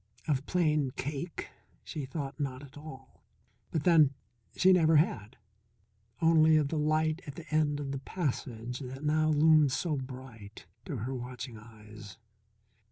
Of Plain Cake she thought not at all. But then, she never had. Only of the light at the end of the passage that now loomed so bright to her watching eyes.